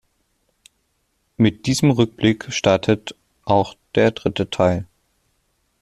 Mit diesem Rückblick startet auch der dritte Teil.